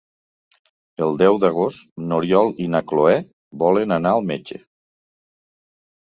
El deu d'agost n'Oriol i na Cloè volen anar al metge.